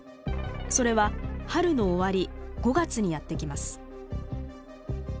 それは春の終わり５月にやって来ます。